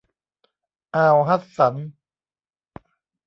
อ่าวฮัดสัน